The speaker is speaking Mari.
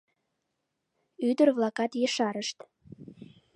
Ӱдыр-влакат ешарышт.